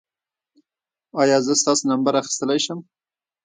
ایا زه ستاسو نمبر اخیستلی شم؟